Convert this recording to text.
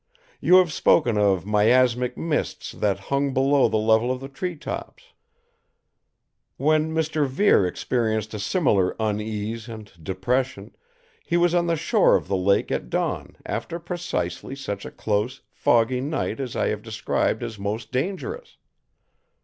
You have spoken of miasmic mists that hung below the level of the tree tops. When Mr. Vere experienced a similar unease and depression, he was on the shore of the lake at dawn after precisely such a close, foggy night as I have described as most dangerous.